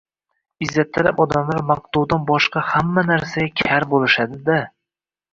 Izzattalab odamlar maqtovdan boshqa hamma narsaga kar bo‘lishadi-da.